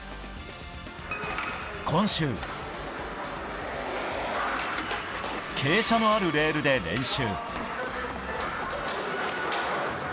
今週、傾斜のあるレールで練習。